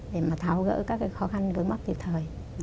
để mà tháo gỡ các cái khó khăn vướng mắt tiệp thời